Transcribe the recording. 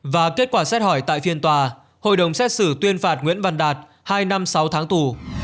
và kết quả xét hỏi tại phiên tòa hội đồng xét xử tuyên phạt nguyễn văn đạt hai năm sáu tháng tù